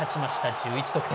１１得点。